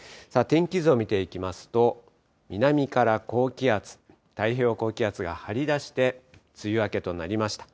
天気図を見ていきますと、南から高気圧、太平洋高気圧が張り出して、梅雨明けとなりました。